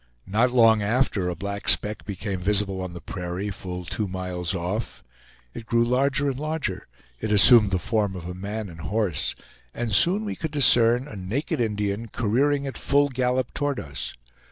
Not long after, a black speck became visible on the prairie, full two miles off. It grew larger and larger; it assumed the form of a man and horse; and soon we could discern a naked Indian, careering at full gallop toward us.